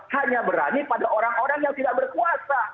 hanya berani pada orang orang yang tidak berkuasa